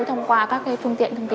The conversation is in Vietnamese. thông qua các phương tiện thông tin